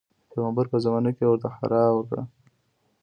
د پیغمبر په زمانه کې یې ورته حرا ویل.